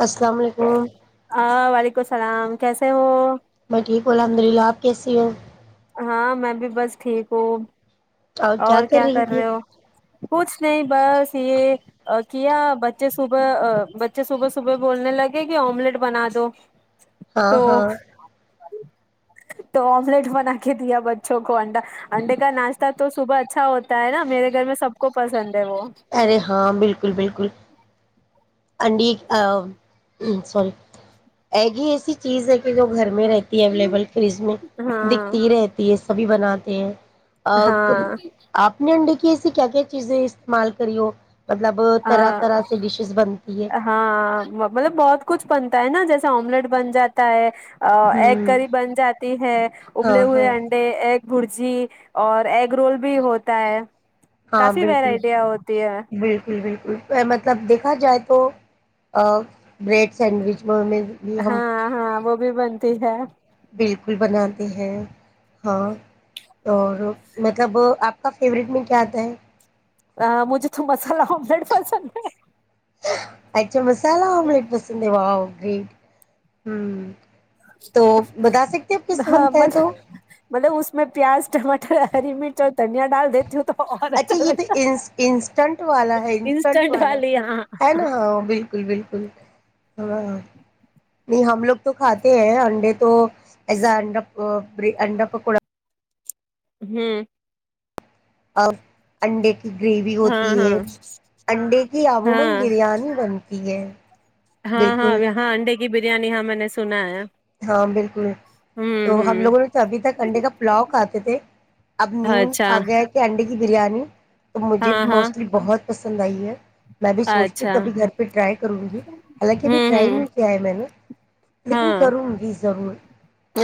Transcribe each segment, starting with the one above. السلام علیکم ہاں وعلیکم السلام کیسے ہو ب ٹھیک ہ الحمد للہ آپ کیسی ہو ہاں میں بھی بس ٹھیک ہوں اور کیا کر رہی تھی کچھ نہیں بس یہ کیا بچے صبح بچے صبح صبح بولنے لگے کہ آملیٹ بنا دو ہاں تو ہاں تو آملیٹ بنا کے دیا بچوں کو انڈا انڈے کا ناشتہ تو صبح اچھا ہوتا ہے نا میرے گھر میں سب کو پسند ہے وہ ارے ہاں بالکل بالکل انڈ ا [unintelligible] ہ سوری ایگ ہی ایسی چیز ہے کہ جو گھر میں رہتی اویلیبل فریج میں ہاں دکھتی رہتی ہے کبھی بناتے ہیں ا ہاں آپ نے انڈ [unintelligible] کہے کیا چیزیں اس استعمال کریو ہاں ہے ہاں مطلب بہت کچھ بنتا ہے نا جیسے آملیٹ بن جاتا ہے ا ایک ہوں کری بن جاتی ہے ہاں ابلے ہوئے ہاں انڈے ایک برجی اور ایگ رول بھی ہوتا ہے ہاں کافی بالکل ورائٹیاں ہوتی ہے بالکل مطلب دیکھا جائے تو بریڈ سینڈوچ میں بھی ہم ہاں ہاں وہ بھی بن ت ہے بالکل بناتے ہیں ہاں اور مطلب آپ کا فیوریٹ میں کیا آتا ہے ہ مجھے تو مسالہ آملیٹ پسند ہے اسہی ہے اچھا مسالہ آملٹ پسند وا جی ہوں تو بتا سکتے اپ ہے کس ہاں بنتا ہے تو مطلب اس میں پیاز ٹماٹر ہری مرچ اور دھنیا ڈال دیتے اچھا یہ تو انسٹنٹ والا ہے انسٹنٹ والا ہے نا ہاں بالکل بالکل ہاں نہیں ہم لوگ تو کھاتے ہیں انڈے تو ایزڈر بری اڈپ کوا ہوں اور انڈ گروی ہاں ہوتی ہاں انڈے کی اممان ہاں بریانی بنتی ہے ھیک ہے ہاں ہاں ہاں ہڈے کی بریانی ہاں میں نے سنا ہے ہاں بالکل ہوں تو ہم ہوں لوگوں نے تو ابھی تک انڈے کا پلاؤ کھتے تھے اب نی اچھا آ گیا کہ انڈے کی کی بریانی تو مجھے ہاں بھی ہاں موسٹلی بہت پسند آئیے میں بھی سوچتی ہوں اچھا کبھی گھر پہ ٹرائی کروں گی حالانکہ ابھی ہوں ٹرائی ہوں میں کیا ہے میں نے لیکن ہاں کروں گی ضرور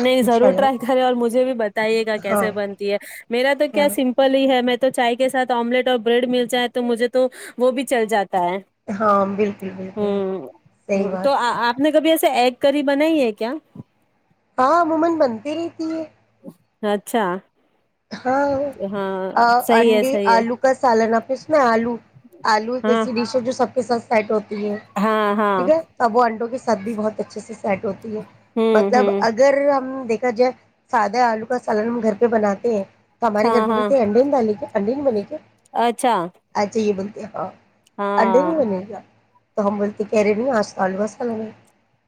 نہیں انشاء ضرور ٹرائی اللہ کرے اور مجھے بھی بتائیے گا ہاں کیسے بنتی ہے میرا تو ہاں کیا سمپل ہی ہے میں تو چائے کے ساتھ آملیٹ اور بریڈ مل جائے تو مجھے تو وہ بھی چل جاتی ہ ہاں بالکل بالکل صحیح تو بات ہے آپ نے کبھی ایسا سے ایگ کری بنائی ہے کیا ہا اممان بنتی رہتی ہے اچھا ہاں صحیح ہے انڈے صحیح ہے آلو کا سالن آ پ اس میں آلو آلو ایک ہاں ایسی ڈش ہے جو سب پہ س سو ہاں [unintelligible] ہاں ٹھیک ہے اب وہ انڈوں کی ساتھ بھی بہت اچھے سے سیٹ ہوتا ہوں مطلب ہوں اگر ہم دیکھ کا جو سادہ آلو کا سالن ہم گھر پہ بناتے ہیں ہمارے گھر ہاں پر ہاں بولتی ہیں ایینڈین دانی کو اننڈے نہیں بنے کیا اچھا [unintelligible] انڈے بھی ہاں بنے کیا تو ہم بولتے کہہ رہے نہیں آج کال بسال میں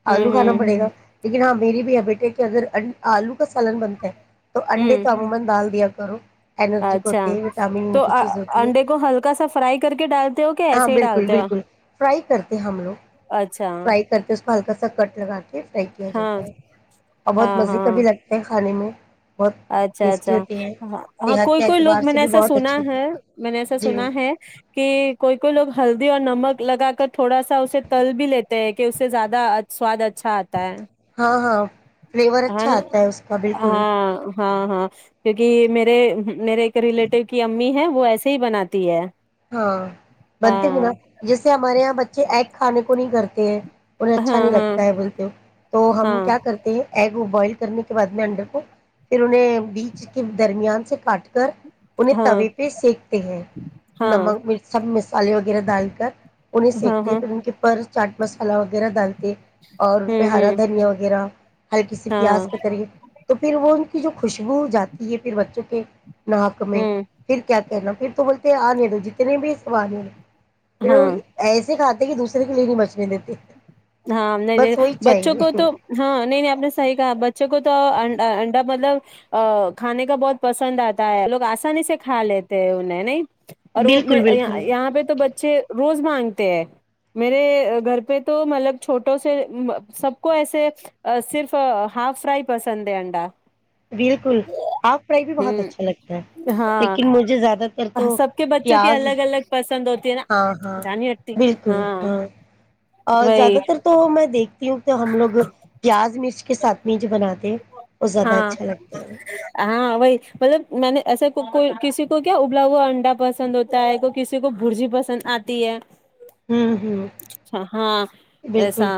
ہوں آلو کھانا ہوں پڑے گا لیکن ہاں میری بھی ہے بیٹے کہ اگر آلو کا سالن بنتا ہے تو انڈے ہوں تو آما دال کیا کرو انرجک اچھا ہوتے ہیں وٹامن ان تو کی چیز ہوتی ہے انڈے کو ہلکا سا فرائی کر کے ڈالتے ہو کہ ہاں ایسے ہی بالکل ڈالتے ہو بالکل فرائی کرتے ہیں ہم لوگ اچھا فرائی کرتے اس میں ہلکا سکٹ لگات فرائی کیا ہاں جاتا ہے اور بہت ہاں مزے کا ہاں بھی لگتا ہے کھانے میں بہت اچھا ٹیسٹی اچھا ہوتے ہیں ہاں ہاں صحت کوئی کے کوئی اعتبار لوگ میں سے نے بھی ایسا بہت سنا اچھے تھے ہے میں نے ایسا جی سنا ہے کہ کوئی کوئی لوگ ہ ہلدی اور نمک لگا کر تھوڑا سا اسے تل بھی لیتے ہیں کہ اس سے زیادہ سواد اچھا آتا ہے ہاں ہاں فلیور اچھا آتا ہے اس کا بالکل ہاں ہاں ہاں کیونکہ میرے میرے ایک ریلیٹیو کی امی ہے وہ ایسے ہی بناتی ہے ہاں بنتے ہو نا ہاں جیسے ہمارے یہاں بچے ایگ کھانے کو کو نہیں کرتے ہیں انہیں اچھا ہاں نہیں ہاں لگتا ہے بولتے ہو تو ہم ہاں کیا کرتے ہیں ایگ بوائل کرنے کے بعد میں انڈے کو پھر انہیں بیچ کے درمیان سے کاٹ کر انہیں ہاں طوے پہ سینکتے ہیں ہاں نمک مرچ سب مسالے ہوتے ہیں گرہ ڈال کر انہیں ہاں ہاں ہاں سینکتے پھر ان کے اپر چاٹ مسالہ وغیرہ ڈالتے اور ان پہ ہوں ہرا ہوں دھنیا وغیرہ ہلکی سی پیاز ہاں کے طریق تو پھر وہ کی جو خوشبو ہو جاتی ہے پھر بچوں کے ناک میں ہوں پھر کیا کہنا پھر تو بولتے ہیں آنے جتنے بھی سواد ہیں پھر ہاں ایسے کھاتے کہ دوسرے کے لیے نہیں بچنے دیتے ہاں نہیں بس وہی نہیں بچوں چاہیے کو تو ہاں نہیں نہیں آپ نے صحیح کہا بچوں کو تو انڈا مطلب کھانے کا بہت پسند آتا ہے لوگ آسانی سے کھا لیتے ہیں انہیں نہیں اور وہ بالکل میں بالکل یہاں پہ تو بچ اچھے روز مانگتے ہیں میرے گھر پہ تو مطلب چھوٹوں سے سب کو ایسے صرف ہاف فرائی پسند ہے انڈا بالکل ہاف فرائی بھی بہت ہوں اچھا لگتا ہے ہاں لیکن مجھے زیادہ تر تو سب کے بچوں کی پیاز الگ الگ پسند ہوتی ہے نا ہاں ہاں جانی ہٹتی بالکل ہاں اور وہی زیادہ تر تو میں دیکھتی ہوں کہ ہم لوگ پیاز مرچ کے ساتھ میں جو بناتے وہ زیادہ ہاں اچھا لگتا ہے ہاں وہی مطلب میں نے ایسے کوئی کسی کو کیا ابلا ہوا انڈا پسند ہوتا ہے کوئی کسی کو برجی پسند آتی ہے ہوں ہوں اچھا ہاں ایسا بالکل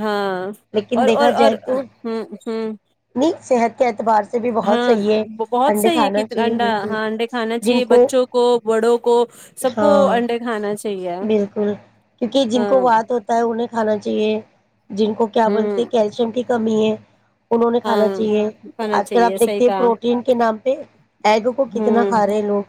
ہاں لیکن اور اور دیکھا اور جائے تو ہمم ہمم نہیں صحت کے اعتبار سے بھی بہت ہاں صحیح ہے بہت انڈے صحیح ہے کہ کھانا چاہیے انڈا بالکل ہاں انڈے کھانا چاہیے بچوں کو بڑوں کو سب کو ہاں انڈے کھانا چاہیے بالکل کیونکہ جن کو ہاں وات ہوتا ہے انہیں کھانا چاہیے جن کو کیا ہ بولتے کیلشیم کی کمی ہے انہوں نے ہاں کھانا چاہیے کھانا آج کل چاہیے آپ صحیح دیکھتے ہیں کہا پروٹین کے نام تین ایگ کو کتنا کھا ہوں رہے لوگ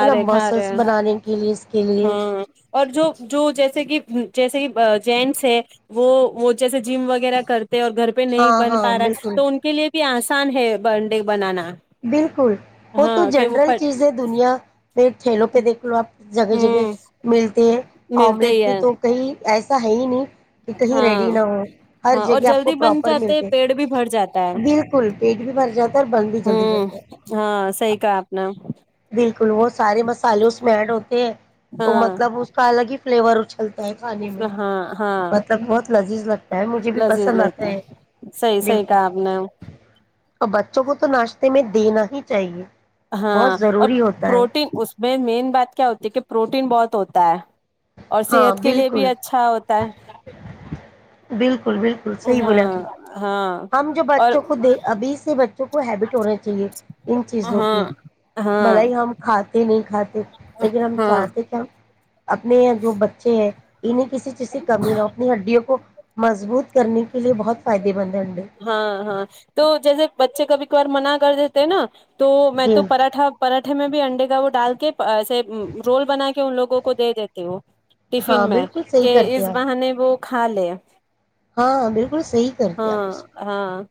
ہے نا رہے کھا مسلس رہے بنانے کے لیے اس کے لیے ہاں اور جو جو جیسے کہ جیسے کہ جینٹس ہے وہ وہ جیسے جم وغیرہ کر اور گھر پہ نہیں ہاں بن ہاں پا رہا بالکل تو ان کے لیے بھی آسان ہے برڈے بنانا بالکل وہ تو ہاں کہ وہ جنرل چیز ہے دنیا میں کھیلوں پہ دیکھ لو آپ جگہ جگہ ہوں ملتے ہے ملتے آملیٹ ہی کی ہے تو کئی ایسا ہے ہی نہیں کہ کہیں ریڈی ہاں نہ ہو ہر ہاں اور جگہ آپ کو جلدی بن پراپر جاتے ملتے پیڑ بھی بھر جاتا بالکل پیٹ بھی بھر جاتا اور بند بھی جلدی ہمم جاتا ہے ہاں صحیح کہا آپ نے بالکل وہ سارے مسالے اس میں ایڈ ہوتے ہیں تو ہاں مطلب اس کا الگ ہی فلیور اچھلتا کھانے میں ہاں ہاں مطلب بہت لذیذ لگتا ہے مجھے بھی لذیذ پسند آتا لگتا ہے صحیح صحیح بالکل کہا آپ نے اور بچوں کو تو ناشتے میں دینا ہی چاہیے ہاں بہت اور ضروری ہوتا ہے پروٹین اس میں مین بات کیا ہوتی ہے کہ پروٹین بہت ہوتا ہے اور ہاں صحت کے لیے بھی بالکل اچھا ہوتا ہے بالکل بلکل بالکل صحیح بولا اپ نے ہاں ہاں ہم جو اور بچوں کو دے ابھی سے بچوں کو ہیبٹ ہونا چاہیے ان چیزوں کی ہاں ہاں بھلائی ہم کھاتے نہیں کھاتے لیکن ہم ہاں چاہتے کہ ہم اپنے جو بچے ہے انہیں کسی چیز سے کمی نہ ہو اپنی ہڈیوں کو مضبوط کرنے کے لیے بہت فائدے مند ہیں ہاں ہاں تو جیسے بچے کا بھی ایک بار من کر دیتے نا تو میں جی تو پراٹھا پراٹھے میں بھی انڈے وہ ڈال کے رول بنا کے ان لوگوں کو دے دیتے ہو ہاں ٹفن میں بالکل صحیح کہ کرتے اس ہیں بہا آپ، نے وہ کھالے ہاں بالکل صحیح کرتی آپ اس ہاں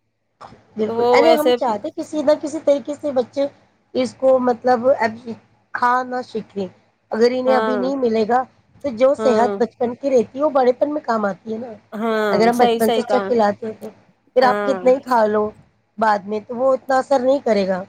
تو بالکل وہ ارے ہم ایسے چاہتے کسی نہ کسی طریقے کسی بچے اس کو مطلب اب کھا نہ سیکھے اگر انہیں ہاں ابھی نہیں ملے گا تو جو صحت ہاں بچپن کی رہتی یہ بڑے پن میں کام آتے ہے نا اگر ہاں ہم صحیح بچپن صحیح سے اچھا کہا کھلاتے ہیں تو پھر آپ کت ہاں نہیں کھا لو بعد میں تو وہ اتنا اثر نہیں کرے گا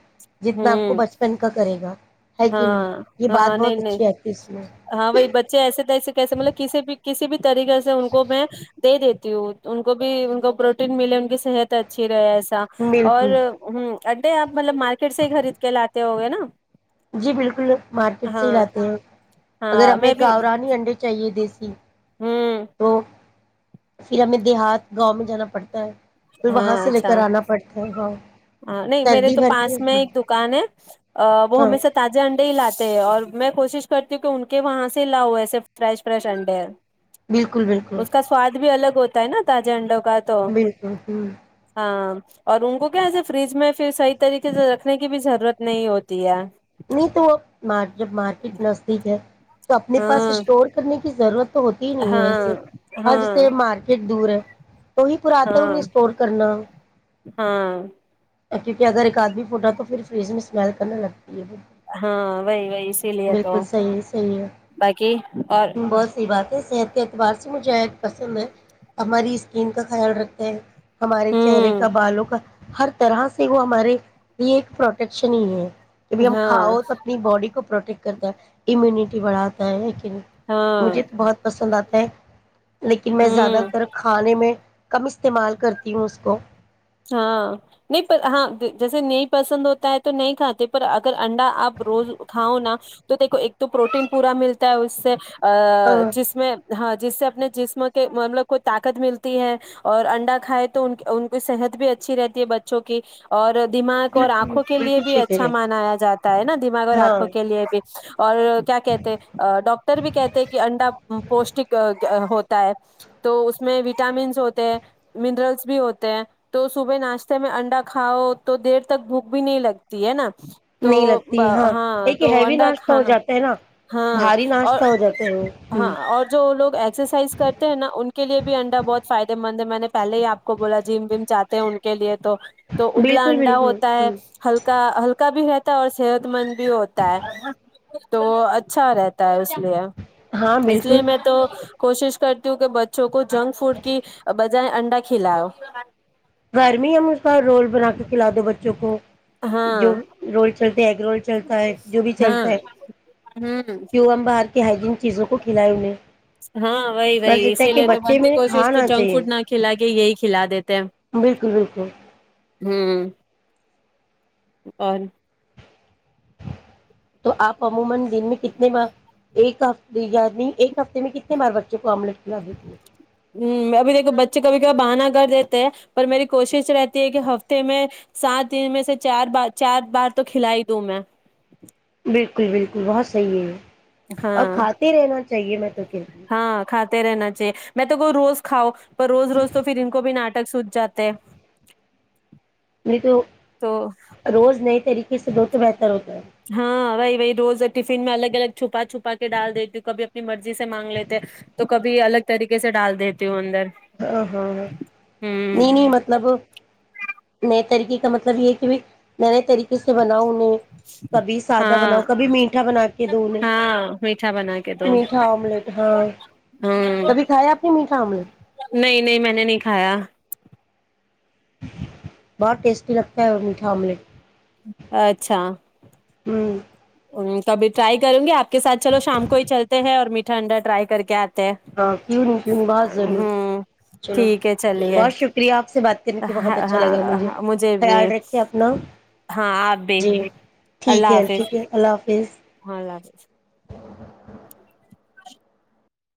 جتنا آپ کو ہمم بچپن کا کرے گا ہے کہ نہیں ہاں یہ بات ہاں نہیں بہت نہیں اچھی آتی ہے اس میں ہاں وہی بچے ایسے تھے ایسے کیسے مطلب کسی بھی کسی بھی طریقے سے ان کو میں دے دیتی ان کو بھی ان کو پروٹین ملے ان کی صحت اچھی ہے گیا ایسا اور بالکل ہمم انڈے آپ مطلب مارک لیتے ہوگے نہ جی بالکل مارکیٹ سے ہی لاتے ہیں اگر ہاں ہمیں میں بھی گاورانی انڈے چاہیے دی جی ہوں تو پھر ہمیں دیہات گاؤں میں جانا پڑتا ہے پھر وہاں ہاں سے لے کر اچھا آنا پڑتا ہے ہاں ہاں نہیں میرے سردی تو بھر کے پاس میں ایک ہاں دکان ہے وہ ہمیشہ تازہ انڈے ہی لاتے اور میں کوشش کرتی ہوں کہ ان کے وہاں سے لا ہوا ایسے فریش فریش انڈے بالکل بالکل اس کا سواد بھی الگ ہوتا ہے نا تازا انڈ بالکل ہمم ہاں اور ان کو کیاس فریج میں پھر صحیح طریقے سے رکھنے کی بھی ضرورت نہیں ہوتی ہے نہیں تو وہ جب مارکیٹ نزدیک ہے تو اپنے پاس ہاں اسٹور کرنے کی ضرورت تو ہوتی ہی نہیں ہے وسے ہاں حج ہاں سے مارکیٹ دور ہے تو ہی پراتے ہاں انہیں اسٹور کرنا ہاں کہ اگر ایک آنڈا فوٹا تو پھر فریج میں اسمیل کرنا لگتا ہے ہاں وہی وہی اسی لیے تو بالکل صحیح ہے صحیح ہے باقی اور بہت صحیح بات صحت کے اعتبار سے مجھےایگ پسند ہے ہماری اسکین کا خیال رکھتے ہیں ہمارے چہرے ہوں کا بالوں کا ہر طرح سے وہ ہمارے لیے ایک پروٹیکشن ہی ہے جبھی ہم ہاں کھاؤ تو اپنی باڈی کو پروٹیکٹ کرتا ہے امیونٹی بڑھاتا ہے ہاں مجھے تو بہت پسند آتا ہیں لیکن میں زیادہ ہوں تر کھانے میں کم استعمال کرتی ہوں اس کو ہاں نہیں ہاں جیسے نہیں پسند ہوتا ہے تو نہیں کھاتے پر اگر انڈا آپ روز کھاؤ نا تو دیکھو ایک تو پروٹین پورا ملتا ہے اس سے آ ہاں جس میں ہاں جس سے اپنے جسم کے مطلب کوئی طاقت ملتی ہے اور انڈا کھائے تو ان ان کی صحت بھی اچھی رہتی ہے بچوں کی اور دماغ اور بالکل آنکھوں کے لیے بالکل بھی صحیح کہہ اچھا رہے ہیں، منایا جاتا ہے نا دماغ اور ہاں آنکھوں کے لیے بھی [unintelligible] اور کیا کہتے ڈاکٹر بھی کہتے کہ انڈا پوشٹک ہو ہوتا ہے تو اس میں وٹامنس ہوتے ہیں منرلس بھی ہوتے ہیں تو صبح ناشتے میں انڈا کھاؤ تو دیر تک بھوک بھی نہیں لگتی ہے نا تو نہیں لگتی ہاں ایک تو ہیوی انڈا ناشتہ ہو کھانا جاتا ہے نا ہاں بھاری اور ناشتہ ہو جاتا ہے وہ ہوں ہاں اور جو لوگ ایکسرسائز کرتے ہیں نا ان کے لیے بھی انڈا بہت فائدے مند ہے میں نے پہل ہی آپ کو بولا جم وم چاہ ان کے لیے تو تو ابلا بالکل انڈا بالکل ہوتا ہے ہ ہلکا ہلکا بھی رہتا اور صحت مند بھی ہوتا ہے تو اچھا رہتا ہے اس ل ہاں اس بالکل لیے میں تو [inaudible] کوشش کرتی ہوں کہ بچوں کو جنک فوڈ کی جیں انڈا کھلاؤ گھر میں ہی ہم اس کا رول بنا کے کھلا دو بچوں کو جو ہاں رول چلتے ایگ رول چلتا ہے جو بھی ہاں چلتا ہے ہوں کیوں ہم بات [unintelligible] کہ ہائجین چیزوں کو کھلائے انہیں ہاں وہی بس وہی اتنا ہے اسی کہ لیے تو بچے بنتی میں کوشش تو کھانا جنک چاہیے فوڈ نہ کھلا کے یہی [unintelligible] کھلا دیتے ہیں بالکل بالکل ہوں اور تو اپ عموما دن میں کتنی بار ایک ہفتے یاد نہیں ایک ہفتے میں کتنی بار بچے کو املیٹ ہ ابھی دیکھو بچے کبھی کبھی بہانہ کر دیتے ہیں پر میری کوشش رہتی ہے کہ ہفتے میں سات دن میں سے چار بار چار بار تو کھلا ہی دوں میں ہے بالکل بالکل بہت صحیح ہے یہ اور ہاں کھاتے رہنا چاہیے میں تو کہتی ہاں کھاتے رہنا چاہیے میں تو کو روز کاؤ پر روز روز تو پھر ان کو بھی ناٹک سوت جاتے نہیں تو تو روز نہیں طریقے سے د بیہتے ہاںائی وہ روز ٹفن میں الگ الگ چھپا چھپا کے ڈال دیتی ہوں کبھی اپنی مرضی سے مانگ لیتے ہیں تو کبھی الگ طریقے سے ڈال دیتی ہوں اندر ہاں ہاں ہاں ہوں نہیں نہیں مطلب ن طریقے مطلب یہ ہے کہ بھی میں طریقے سے بناؤہیں کبھی سادہ ہاں بناؤ کبھی میٹھا بنا کے دو ہاں میٹھا بنا کے دو میٹھا آملیٹ ہاں ہاں کبھی کھایا آپ نے میٹھا آملیٹ نہیں نہیں میں نے نہیں کھایا بہت ٹیسٹی لگتا ہے وہ میٹھا آملیٹ اچھا ہوں کبھی ٹرائی کروں گی آپ کے ساتھ چلو شام کو ہی چلتے ہیں اور مٹھا انڈا ٹرائی کر کے آ ہاں کیوں نہیں کیوں نہیں بہت ضرور ہوں چلو ٹھیک ہے چلیے بہت شکریہ آپ سے بات کرنے کے بہت ہاں اچھا لگا مجھے ہاں بھی خیال رکھے اپنا ہاں آپ بھی جی اللہ ٹھیک ہے حافظ ٹھیک ہے اللہ حافظ [inaudible] ج ہاں لگے